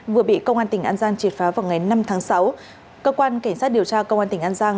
vừa bị công an tỉnh an giang triệt phá vào ngày năm tháng sáu cơ quan cảnh sát điều tra công an tỉnh an giang